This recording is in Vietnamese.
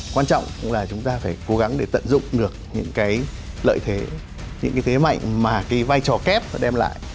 quan trọng là chúng ta phải cố gắng để tận dụng được những cái lợi thế những cái thế mạnh mà cái vai trò kép nó đem lại